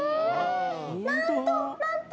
なんとなんと。